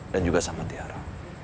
dan juga sama tiara